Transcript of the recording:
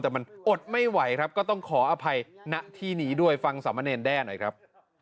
แต่มันอดไม่ไหวครับก็ต้องขออภัยณที่นี้ด้วยฟังสามเณรแด้หน่อยครับ